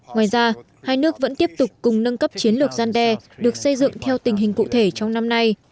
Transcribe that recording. ngoài ra hai nước vẫn tiếp tục cùng nâng cấp chiến lược gian đe được xây dựng theo tình hình cụ thể trong năm nay